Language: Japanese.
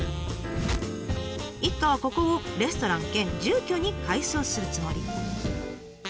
一家はここをレストラン兼住居に改装するつもり。